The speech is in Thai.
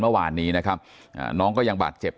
เมื่อวานนี้นะครับน้องก็ยังบาดเจ็บ